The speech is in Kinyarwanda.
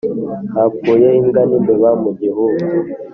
hapfuye imbwa n'imbeba mu gihuku